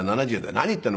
「何言ってんの。